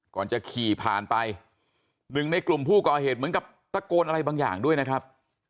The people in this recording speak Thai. ก่อนจะขี่ผ่านไปหนึ่งในกลุ่มผู้ก่อเหตุเหมือนกับตะโกนอะไรบางอย่างด้วยนะครับ